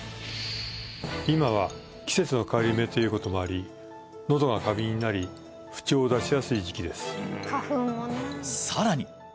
今は季節の変わり目ということもありのどが過敏になり不調を出しやすい時期ですさらに！